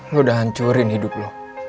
gue udah hancurin hidup lo